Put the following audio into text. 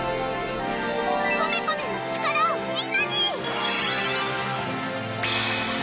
コメコメの力をみんなに！